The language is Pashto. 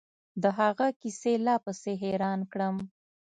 د هغه کيسې لا پسې حيران کړم.